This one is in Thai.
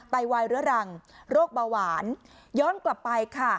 ไวเรื้อรังโรคเบาหวานย้อนกลับไปค่ะ